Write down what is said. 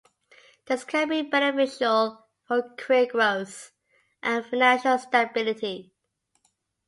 This can be beneficial for career growth and financial stability.